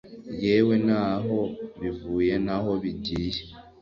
Yewe ntaho bivuye ntaho bigiye,